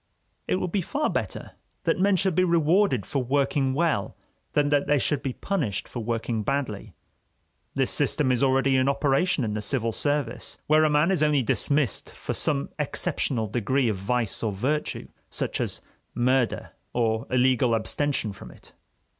It would be far better that men should be rewarded for working well than that they should be punished for working badly. This system is already in operation in the civil service, where a man is only dismissed for some exceptional degree of vice or virtue, such as murder or illegal abstention from it.